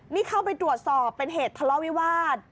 นี่เข้าไปตรวจสอบเป็นเหตุทะเลาะวิวาส